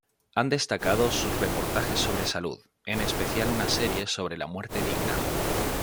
Han destacado sus reportajes sobre salud, en especial una serie sobre la muerte digna.